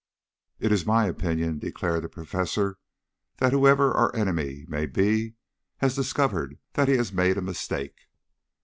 "It is my opinion," declared the professor, "that, whoever our enemy may be, he has discovered that he has made a mistake."